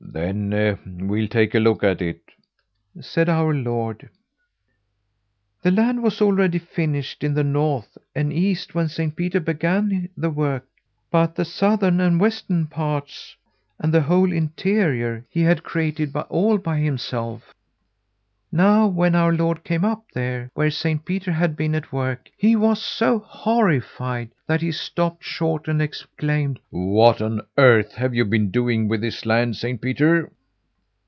'Then we'll take a look at it,' said our Lord. "The land was already finished in the north and east when Saint Peter began the work, but the southern and western parts; and the whole interior, he had created all by himself. Now when our Lord came up there, where Saint Peter had been at work, he was so horrified that he stopped short and exclaimed: 'What on earth have you been doing with this land, Saint Peter?'